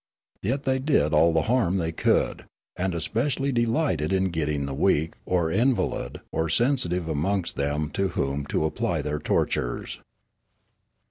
Yet they did all the harm they could, and especially delighted in getting the weak or invalid or sensitive amongst them to whom to apply their tortures.